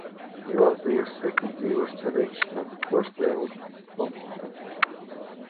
He was their second ever selection and the first ever pick from Stanford.